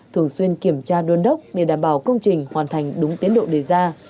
thường xuyên kiểm tra đôn đốc để đảm bảo công trình hoàn thành đúng tiến độ đề ra